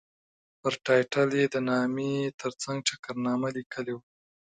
پر ټایټل یې د نامې ترڅنګ چکرنامه لیکلې وه.